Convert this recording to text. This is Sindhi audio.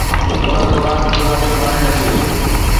ان دوران چوڌاري باهه لڳي وئي